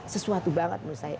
sesuatu banget menurut saya